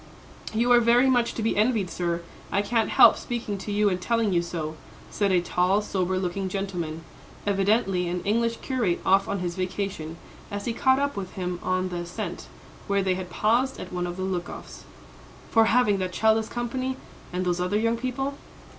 "You are very much to be envied, sir. I can't help speaking to you and telling you so," said a tall, sober looking gentleman, evidently an English curate off on his vacation, as he caught up with him on the ascent, where they had paused at one of the look offs, "for having that child as company, and those other young people."